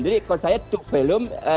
jadi kalau saya to volume